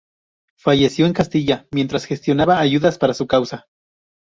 Falleció en Castilla mientras gestionaba ayudas para su causa.